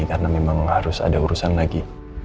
karena memang harus ada urusan lagi